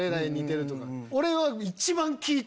俺は。